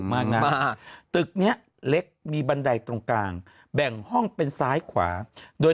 มากนะตึกเนี้ยเล็กมีบันไดตรงกลางแบ่งห้องเป็นซ้ายขวาโดย